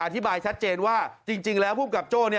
อธิบายชัดเจนว่าจริงแล้วภูมิกับโจ้